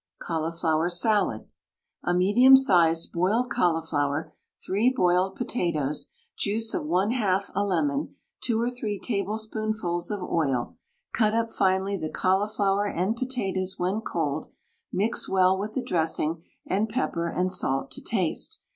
CAULIFLOWER SALAD. A medium sized boiled cauliflower, 3 boiled potatoes, juice of 1/2 a lemon, 2 or 3 tablespoonfuls of oil. Cut up finely the cauliflower and potatoes when cold, mix well with the dressing, and pepper and salt to taste.